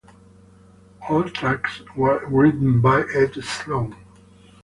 All tracks written by Ed Sloan.